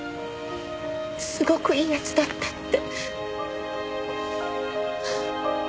すごくいい奴だったって。